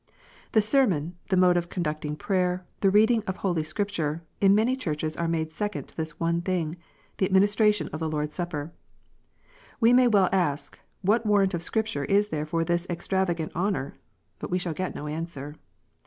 The sermon, the mode of conducting prayer, the reading of "holy Scripture," in many churches are made second to this one thing, the administration of the Lord s Supper. We may well ask, " What warrant of Scripture is there for this extravagant honour ?" but we shall get no answer.